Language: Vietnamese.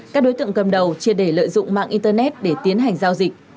các đối tượng cầm đầu chia để lợi dụng mạng internet để tiến hành giao dịch